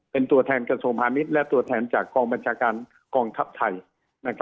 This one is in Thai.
เป็นตัวแทนกระทรวงพาณิชย์และตัวแทนจากกองบัญชาการกองทัพไทย